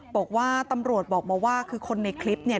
บอกว่าตำรวจบอกมาว่าคือคนในคลิปเนี่ย